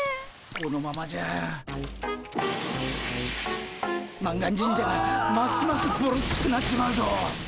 このままじゃ満願神社がますますぼろっちくなっちまうぞ。